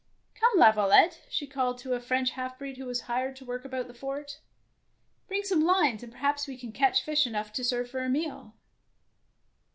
" Come, Laviolette,'^ she called to a French half breed who was hired to work about the fort, " bring some lines and perhaps we can catch fish enough to serve for a meal.